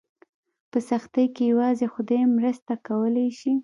په سختۍ کې یوازې خدای مرسته کولی شي.